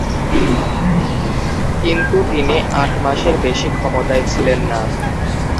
কিন্তু তিনি আট মাসের বেশি ক্ষমতায় ছিলেন না।